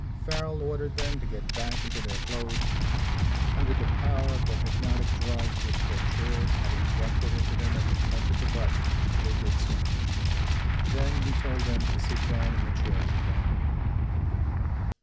Farrel ordered them to get back into their clothes. Under the power of the hypnotic drug which their chairs had injected into them at the touch of the button, they did so. Then he told them to sit down in the chairs again.